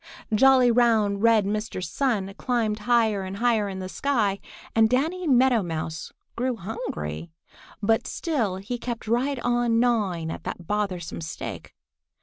Jolly, round, red Mr. Sun climbed higher and higher in the sky, and Danny Meadow Mouse grew hungry, but still he kept right on gnawing at that bothersome stake.